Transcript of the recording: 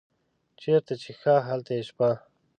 چیرته چې ښه هلته یې شپه.